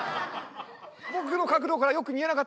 僕の角度からよく見えなかったけど。